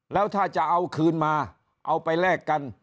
แล้วถ้าจะเอาคืนมาเอาไปแลกกัน